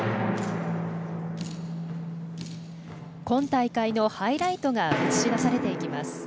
今大会のハイライトが映し出されていきます。